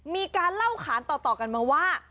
มีการเล่าขานต่อกันมาว่า